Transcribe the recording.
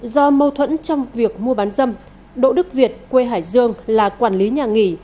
do mâu thuẫn trong việc mua bán dâm đỗ đức việt quê hải dương là quản lý nhà nghỉ